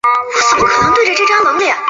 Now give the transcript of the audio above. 本循环于比利时鲁汶举行。